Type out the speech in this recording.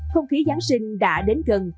không khí giáng sinh đã đến gần